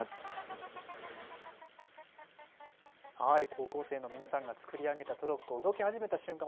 高校生の皆さんが作り上げたトロッコが動き始めた瞬間